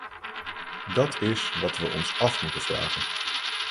Dat is wat we ons af moeten vragen.